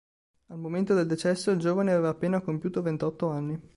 Al momento del decesso il giovane aveva appena compiuto ventotto anni.